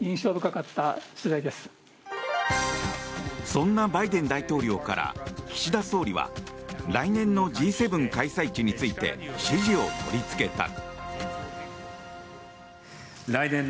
そんなバイデン大統領から岸田総理は来年のＧ７開催地について支持を取りつけた。